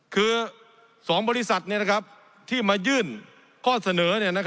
คือ๒บริษัทที่มายื่นข้อเสนอ